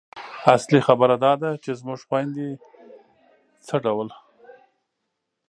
اصلي خبره دا ده چې زموږ خویندې څه ډول